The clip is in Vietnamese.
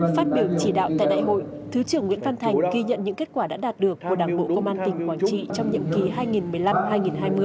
phát biểu chỉ đạo tại đại hội thứ trưởng nguyễn văn thành ghi nhận những kết quả đã đạt được của đảng bộ công an tỉnh quảng trị trong nhiệm kỳ hai nghìn một mươi năm hai nghìn hai mươi